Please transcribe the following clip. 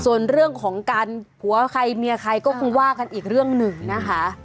ส่วนเรื่องของการผัวใครเมียใครก็คงว่ากันอีกเรื่องหนึ่งนะคะ